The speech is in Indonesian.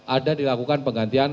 ada dilakukan penggantian